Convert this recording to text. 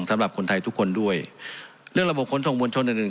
สำหรับคนไทยทุกคนด้วยเรื่องระบบขนส่งมวลชนอื่นอื่น